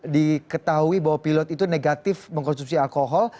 diketahui bahwa pilot itu negatif mengkonsumsi alkohol